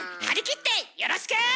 張り切ってよろしく！